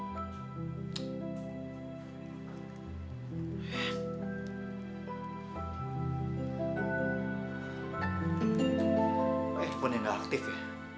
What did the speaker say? pak temon yang gak aktif ya